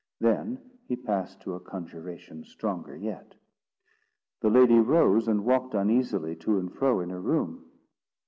Then he passed to a conjuration stronger yet. The lady rose and walked uneasily to and fro in her room.